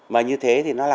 mà như thế thì nó là